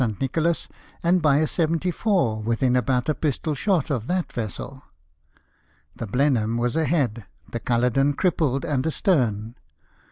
Nicolas, and by a 74 within about pistol shot of that vessel. The Blenheim was ahead, the Culloden crippled and astern.